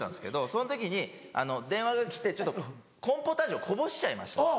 その時に電話が来て「コーンポタージュをこぼしちゃいました」。